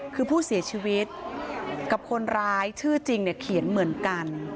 คือผู้เสียชีวิตกับคนร้ายชื่อจริงเขียนเหมือนกัน